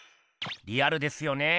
リアルですよねえ。